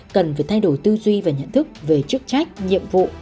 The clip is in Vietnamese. cần phải thay đổi tư duy và nhận thức về chức trách nhiệm vụ